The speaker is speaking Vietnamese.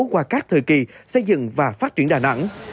qua các thời kỳ xây dựng và phát triển đà nẵng